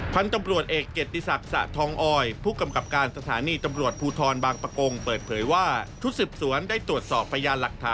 พันธุ์ตำรวจเอกเกดทิสักสะท้องออย